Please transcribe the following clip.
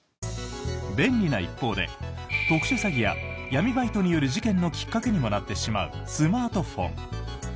便利な一方で特殊詐欺や闇バイトによる事件のきっかけにもなってしまうスマートフォン。